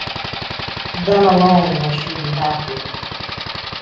Then alone will she be happy.